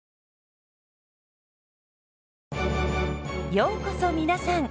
ようこそ皆さん。